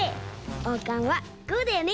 おうかんはこうだよね！